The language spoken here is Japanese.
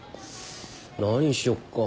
何にしよっか。